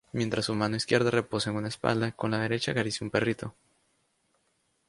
Mientras su mano izquierda reposa en una espada, con la derecha acaricia un perrito.